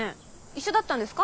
一緒だったんですか？